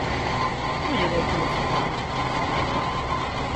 Como lle deu polo cinema?